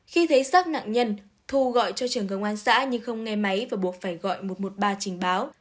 khi thấy xác nạn nhân thu gọi cho trường công an xã nhưng không nghe máy và buộc phải gọi một trăm một mươi ba trình báo